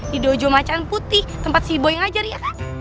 di dojo macan putih tempat si boy ngajar ya